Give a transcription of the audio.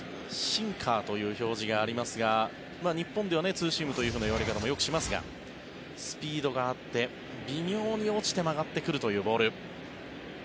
シンカーという表示がありますが日本ではツーシームという言われ方もよくしますがスピードがあって微妙に落ちて曲がってくるというボール。